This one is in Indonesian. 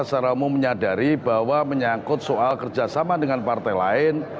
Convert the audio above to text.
secara umum menyadari bahwa menyangkut soal kerjasama dengan partai lain